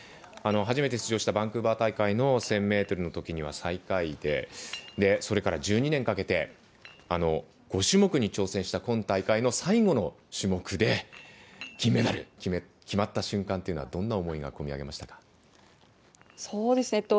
初めて出場したバンクーバー大会の１０００ｍのときには最下位でそれから１２年かけて５種目に挑戦した今大会の最後の種目で金メダル決まった瞬間というのはどんな思いがそうですね。